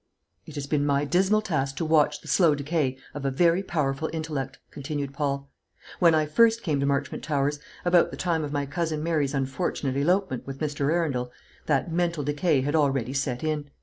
"It has been my dismal task to watch the slow decay of a very powerful intellect," continued Paul. "When I first came to Marchmont Towers, about the time of my cousin Mary's unfortunate elopement with Mr. Arundel, that mental decay had already set in.